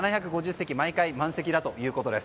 席毎回満席だということです。